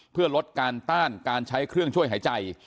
เพื่อลดการต้านการใช้เครื่องช่วยหายใจ